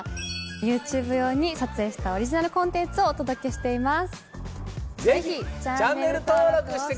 ＹｏｕＴｕｂｅ用に撮影したオリジナルコンテンツをお届けしています。